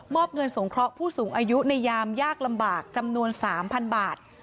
อบเงินสงเคราะห์ผู้สูงอายุในยามยากลำบากจำนวน๓๐๐บาท